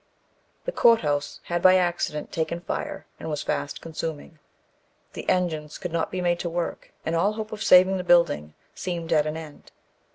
The court house had, by accident, taken fire, and was fast consuming. The engines could not be made to work, and all hope of saving the building seemed at an end.